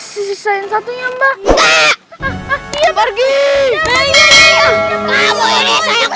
sisain satunya mbak